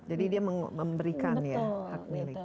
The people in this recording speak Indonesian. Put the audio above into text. jadi dia memberikan ya hak miliknya